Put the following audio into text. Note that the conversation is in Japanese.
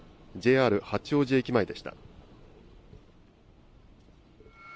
ＪＲ八王子駅前でした。